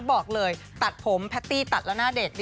บอกเลยตัดผมแพตตี้ตัดแล้วหน้าเด็ด